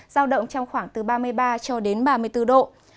giao động trong khoảng từ ba mươi ba cho đến ba mươi bốn độ